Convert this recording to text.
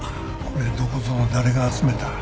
これどこぞの誰が集めた？